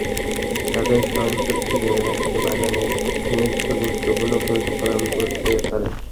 তাঁদের স্মরণশক্তি ধরে রাখতে বাগানের সান্নিধ্য গুরুত্বপূর্ণ ভূমিকা পালন করতে পারে।